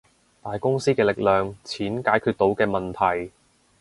大公司嘅力量，錢解決到嘅問題